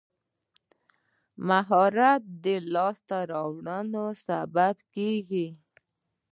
مهارت د لاسته راوړنو سبب کېږي.